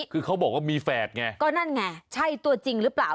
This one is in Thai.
คือเขาบอกว่ามีแฝดไงก็นั่นไงใช่ตัวจริงหรือเปล่า